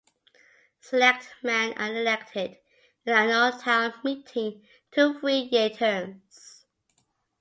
Selectmen are elected in an annual town meeting to three year terms.